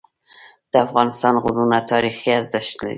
د افغانستان غرونه تاریخي ارزښت لري.